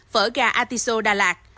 phở gà atiso đà lạt